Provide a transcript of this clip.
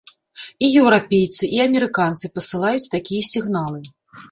І еўрапейцы, і амерыканцы пасылаюць такія сігналы.